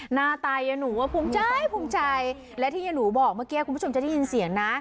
หน้าตายายหนูก็ภูมิใจภูมิใจและที่ยายหนูบอกเมื่อกี้คุณผู้ชมจะได้ยินเสียงนะ